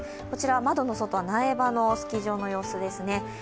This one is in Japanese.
こちらは窓の外は苗場のスキー場の様子です。